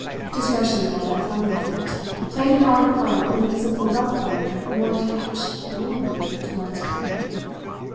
Discretion, then, I finally felt, played an odd part when it simply left one more attached, morally, to one's prey.